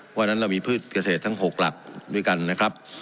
เพราะฉะนั้นเรามีพืชเกษตรทั้ง๖หลักด้วยกันนะครับ